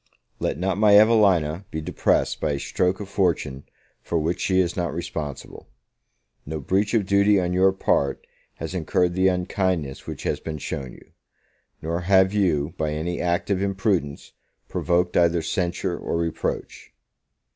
LET not my Evelina be depressed by a stroke of fortune for which she is not responsible. No breach of duty on your part has incurred the unkindness which has been shown you; nor have you, by any act of imprudence, provoked either censure or reproach.